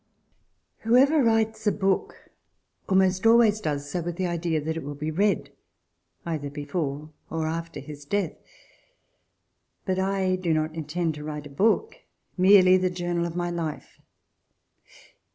WHOEVER writes a book, almost always does so with the idea that it will be read either before or after his death. But I do not intend to write a book — merely the journal of my Ufe.